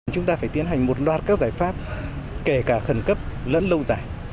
chúng ta phải tiến hành một loạt các giải pháp kể cả khẩn cấp lẫn lâu dài